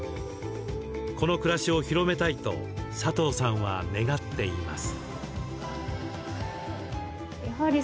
この暮らしを広めたいとサトウさんは願っています。